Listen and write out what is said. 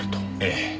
ええ。